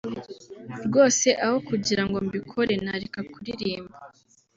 rwose aho kugira ngo mbikore nareka kuririmba